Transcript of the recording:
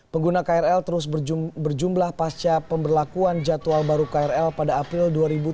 pengguna krl terus berjumlah pasca pemberlakuan jadwal baru krl pada april dua ribu tujuh belas